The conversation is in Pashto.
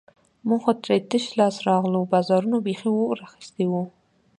موږ خو ترې تش لاسونه راغلو، بازارونو بیخي اور اخیستی وو.